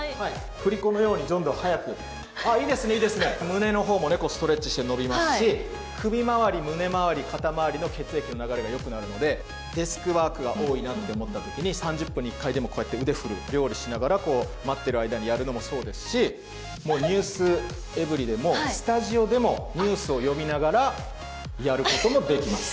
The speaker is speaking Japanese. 振り子のように、どんどん早く、いいですね、胸のほうもね、ストレッチして伸びますし、首回り、胸回り、肩回りの血液の流れがよくなるので、デスクワークが多いなって思ったときに３０分に１回でも、こうやって腕振って、料理しながら、こう待ってる間にやるのもそうですし、もうｎｅｗｓｅｖｅｒｙ．でも、スタジオでも、ニュースを読みながらやることもできます。